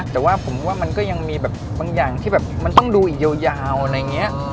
แต่ว่าผมว่ามันก็ยังมีแบบบางอย่างที่แบบมันต้องดูอีกยาวอะไรอย่างนี้